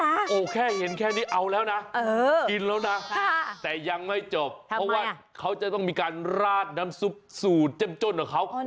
โอ้โหแค่เห็นแค่นี้เอาแล้วนะกินแล้วนะแต่ยังไม่จบเพราะว่าเขาจะต้องมีการราดน้ำซุปสูตรเจ้มจ้นของเขา